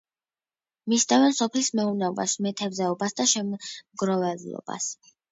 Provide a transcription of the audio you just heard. მისდევენ სოფლის მეურნეობას, მეთევზეობას და შემგროვებლობას.